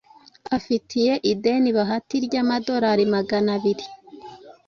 afitiye ideni bahati ry’amadorali Magana abiri